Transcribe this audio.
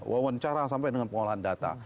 wawancara sampai dengan pengolahan data